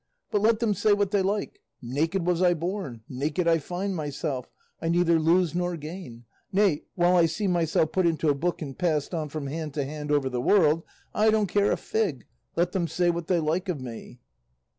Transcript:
But let them say what they like; naked was I born, naked I find myself, I neither lose nor gain; nay, while I see myself put into a book and passed on from hand to hand over the world, I don't care a fig, let them say what they like of me."